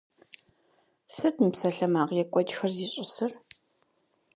Сыт мы псалъэмакъ екӀуэкӀхэр зищӀысыр?